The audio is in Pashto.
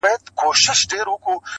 o لکه ازاره، خپله کونه ئې نظر کړه٫